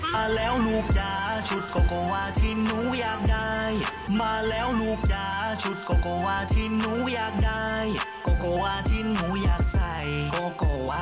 พระเขาเป็นกลัวกวานู่นน่ะนู่นน่ะ